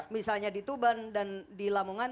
misalnya di tuban dan di lamongan